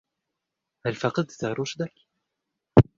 هل فقَدت رُشدَك؟